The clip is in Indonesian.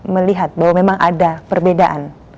melihat bahwa memang ada perbedaan